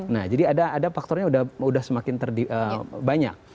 nah jadi ada faktornya sudah semakin banyak